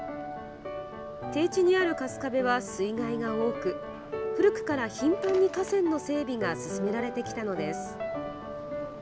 低地にある春日部は水害が多く古くから頻繁に河川の整備が進められてきたのです。